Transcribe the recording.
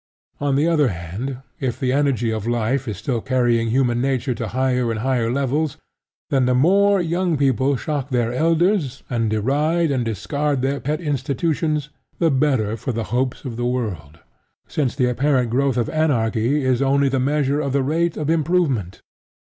On the other hand, if the energy of life is still carrying human nature to higher and higher levels, then the more young people shock their elders and deride and discard their pet institutions the better for the hopes of the world, since the apparent growth of anarchy is only the measure of the rate of improvement.